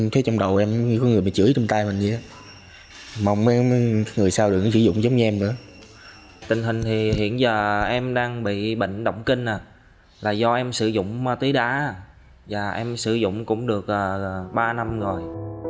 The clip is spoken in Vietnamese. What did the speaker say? tình hình thì hiện giờ em đang bị bệnh động kinh là do em sử dụng ma túy đá và em sử dụng cũng được ba năm rồi